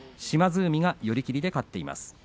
島津海が寄り切りで勝っています。